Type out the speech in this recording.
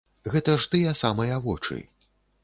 Гэта ж тыя самыя вочы.